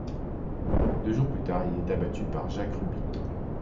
Deux jours plus tard, il y est abattu par Jack Ruby.